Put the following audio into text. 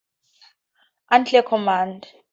Unclear command.